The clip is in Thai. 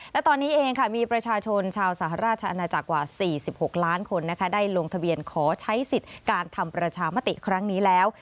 และตอนนี้เองมีประชาชนชาวสหราชอาณาจักรกว่า๔๖ล้านคนได้ลงทะเบียนขอใช้สิทธิ์การทำประชามติครั้งนี้แล้ว